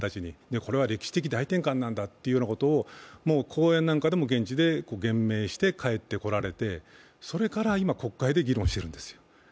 これは歴史的大転換なんだということを講演なんかでも現地で言明してきてそれから今、国会で議論しているんですよ。